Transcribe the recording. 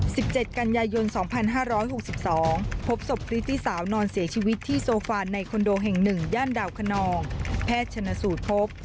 สิบเจ็ดกันยายนสองพันห้าร้อยหกสิบสองพบศพพริตตี้สาวนอนเสียชีวิตที่โซฟานในคอนโดแห่งหนึ่งย่านดาวคนนองแพทย์ชนสูตรพบ